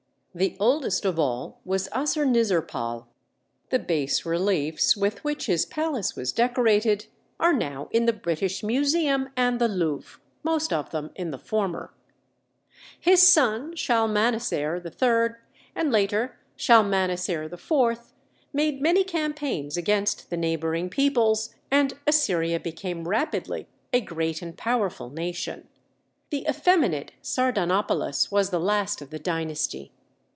The oldest of all was Assurnizirpal; the bas reliefs with which his palace was decorated are now in the British Museum and the Louvre; most of them in the former. His son Shalmaneser III, and later Shalmaneser IV, made many campaigns against the neighboring peoples, and Assyria became rapidly a great and powerful nation. The effeminate Sardanapalus was the last of the dynasty.